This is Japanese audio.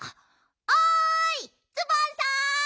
おいツバンさん。